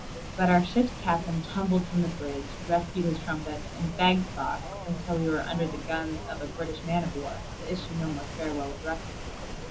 But our ship's captain tumbled from the bridge, rescued his trumpet, and begged Fox, until we were under the guns of a British man of war, to issue no more farewell addresses.